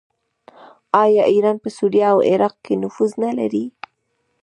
آیا ایران په سوریه او عراق کې نفوذ نلري؟